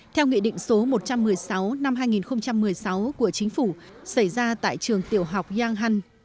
theo nghị định số một trăm một mươi sáu năm hai nghìn một mươi sáu của chính phủ xảy ra tại trường tiểu học giang hăn